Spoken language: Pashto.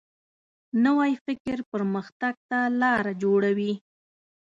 نوی فکر پرمختګ ته لاره جوړوي